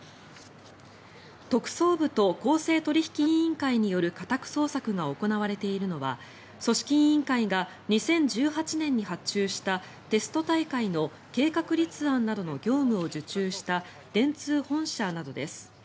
特捜部と公正取引委員会による家宅捜索が行われているのは組織委員会が２０１８年に発注したテスト大会の計画立案などの業務を受注した電通本社などです。